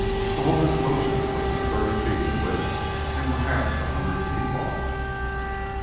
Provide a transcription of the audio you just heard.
The whole enclosure was some thirty feet in width and perhaps a hundred feet long.